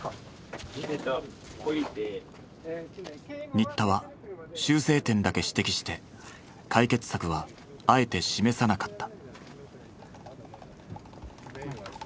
新田は修正点だけ指摘して解決策はあえて示さなかった。